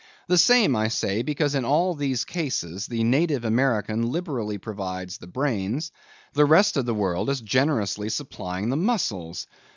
The same, I say, because in all these cases the native American liberally provides the brains, the rest of the world as generously supplying the muscles.